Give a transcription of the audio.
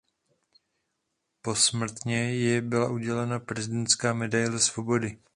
Posmrtně jí byla udělena Prezidentská medaile svobody.